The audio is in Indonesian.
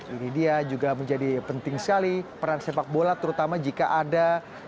ini dia juga menjadi penting sekali peran sepak bola terutama jika ada